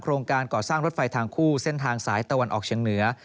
โรงการก่อสร้างรถไฟทางคู่เส้นทางสายตะวันออกเชียงเหนือ